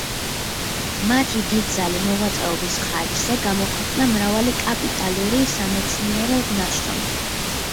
მათი დიდძალი მოღვაწეობის ხარჯზე გამოქვეყნდა მრავალი კაპიტალური სამეცნიერო ნაშრომი.